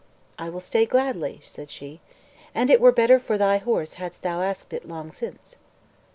"I will stay gladly," said she; "and it were better for thy horse hadst thou asked it long since."